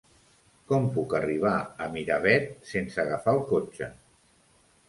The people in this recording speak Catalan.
Com puc arribar a Miravet sense agafar el cotxe?